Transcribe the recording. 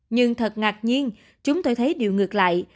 nhưng thật ngạc nhiên chúng tôi thấy điều ngược lại